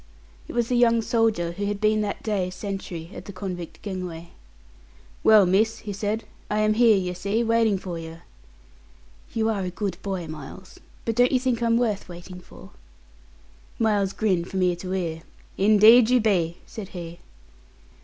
It was the young soldier who had been that day sentry at the convict gangway. "Well, miss," he said, "I am here, yer see, waiting for yer." "You are a good boy, Miles; but don't you think I'm worth waiting for?" Miles grinned from ear to ear. "Indeed you be," said he.